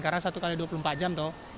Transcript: karena satu x dua puluh empat jam tuh